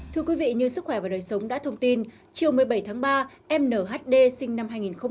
thưa quý vị như sức khỏe và đời sống đã thông tin chiều một mươi bảy tháng ba nhd sinh năm hai nghìn một mươi ba